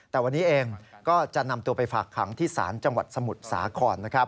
แต่วันนี้เองก็จะนำตัวไปฝากขังที่ศาลจังหวัดสมุทรสาคร